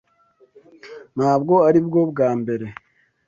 Ntabwo aribwo bwa mbere.